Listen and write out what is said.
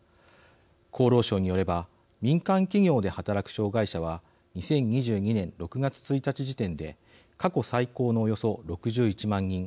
厚労省によれば民間企業で働く障害者は２０２２年６月１日時点で過去最高のおよそ６１万人。